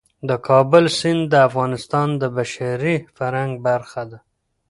د کابل سیند د افغانستان د بشري فرهنګ برخه ده.